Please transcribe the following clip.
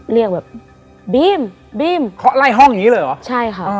เรียกแบบบีมบีมเคาะไล่ห้องอย่างนี้เลยเหรอใช่ค่ะ